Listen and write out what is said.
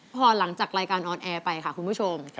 พอหลังจากรายการออนแอร์ไปค่ะคุณผู้ชม